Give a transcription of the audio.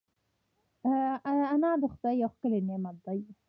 انار د خدای یو ښکلی نعمت دی.